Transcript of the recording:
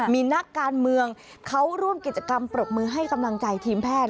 มีนักการเมืองเขาร่วมกิจกรรมปรบมือให้กำลังใจทีมแพทย์